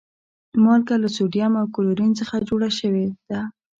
مالګه له سودیم او کلورین څخه جوړه شوی ده